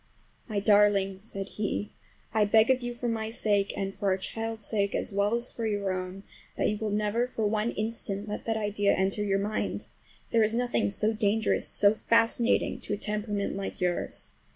"My darling," said he, "I beg of you, for my sake and for our child's sake, as well as for your own, that you will never for one instant let that idea enter your mind! There is nothing so dangerous, so fascinating, to a temperament like yours.